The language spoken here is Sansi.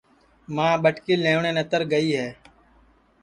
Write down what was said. ماں ٻٹکی لیوٹؔیں نتر گئی ہے